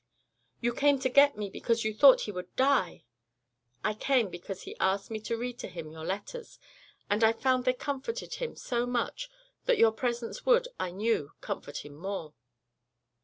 "You came to get me because you thought he would die?" "I came because he asked me to read to him your letters, and I found they comforted him so much that your presence would, I knew, comfort him more."